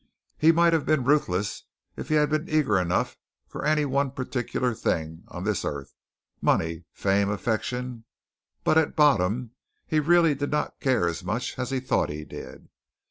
He might have been ruthless if he had been eager enough for any one particular thing on this earth, money, fame, affection, but at bottom, he really did not care as much as he thought he did.